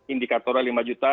indikatornya lima juta